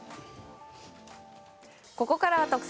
ここからは特選！